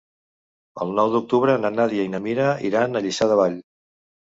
El nou d'octubre na Nàdia i na Mira iran a Lliçà de Vall.